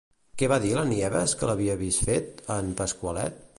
Què va dir la Nieves que l'havia vist fet, a en Pasqualet?